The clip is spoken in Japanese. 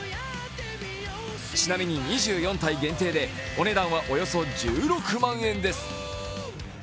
ちなみに２４体限定でお値段はおよそ１６万円です。